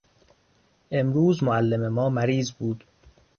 امروز معلم ما مریض بود.